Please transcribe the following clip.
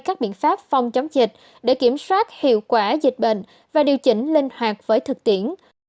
các biện pháp phòng chống dịch để kiểm soát hiệu quả dịch bệnh và điều chỉnh linh hoạt với thực tiễn